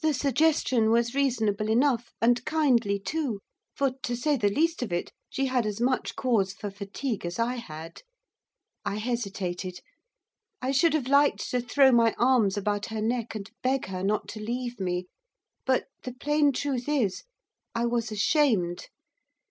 The suggestion was reasonable enough, and kindly too; for, to say the least of it, she had as much cause for fatigue as I had. I hesitated. I should have liked to throw my arms about her neck, and beg her not to leave me; but, the plain truth is, I was ashamed.